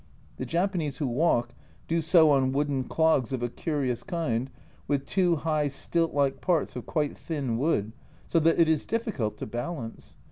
The Japanese who walk do so on wooden clogs of a curious kind, with two high stilt like parts of quite thin wood, so that it is difficult to balance.